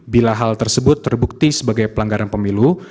bila hal tersebut terbukti sebagai pelanggaran pemilu